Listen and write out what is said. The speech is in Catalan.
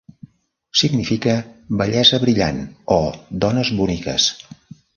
Significa "bellesa brillant" o "dones boniques".